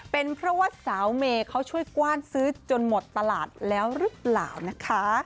เป็นเพราะว่าสาวเมย์เขาช่วยกว้านซื้อจนหมดตลาดแล้วหรือเปล่านะคะ